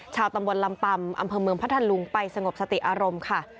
ชาวตำบลลำปำอำเภอเมืองพัทธลุงไปสงบสติอารมณ์ค่ะ